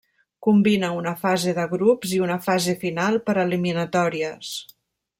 Combina una fase de grups i una fase final per eliminatòries.